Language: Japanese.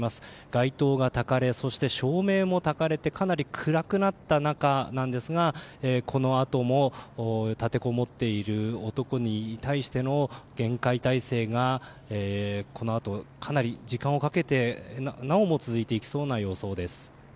街灯がたかれそして照明もたかれてかなり暗くなった中なんですがこのあとも立てこもっている男に対しての厳戒態勢がこのあとかなり時間をかけてなおも続いていきそうな様相です。